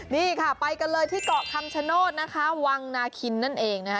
นี่ค่ะไปกันเลยที่เกาะคำชโนธนะคะวังนาคินนั่นเองนะคะ